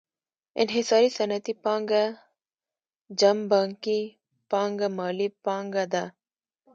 انحصاري صنعتي پانګه جمع بانکي پانګه مالي پانګه ده